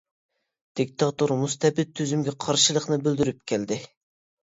دىكتاتور مۇستەبىت تۈزۈمىگە قارشىلىقىنى بىلدۈرۈپ كەلدى.